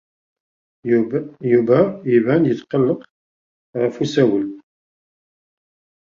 Yuba iban-d yetqelleq deg usawal.